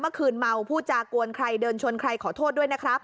เมื่อคืนเมาพูดจากวนใครเดินชนใครขอโทษด้วยนะครับ